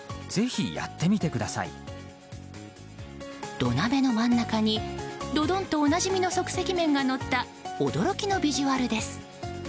土鍋の真ん中に、どどんとおなじみの即席麺がのった驚きのビジュアルです。